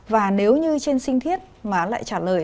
và nếu như trên sinh thiết mà lại trả lời